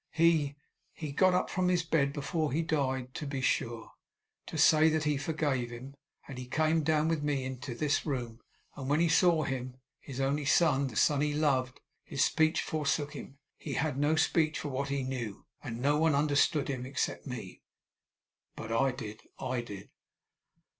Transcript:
He he got up from his bed before he died, to be sure, to say that he forgave him; and he came down with me into this room; and when he saw him his only son, the son he loved his speech forsook him; he had no speech for what he knew and no one understood him except me. But I did I did!